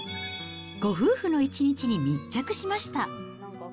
ご夫婦の一日に密着しました。